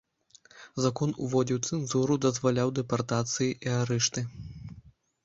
Закон уводзіў цэнзуру, дазваляў дэпартацыі і арышты.